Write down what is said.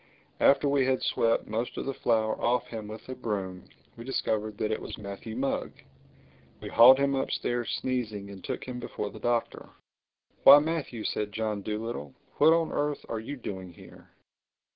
After we had swept most of the flour off him with a broom, we discovered that it was Matthew Mugg. We hauled him upstairs sneezing and took him before the Doctor. "Why Matthew!" said John Dolittle. "What on earth are you doing here?"